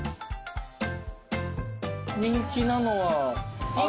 人気なのは？